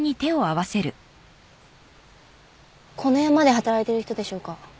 この山で働いてる人でしょうか？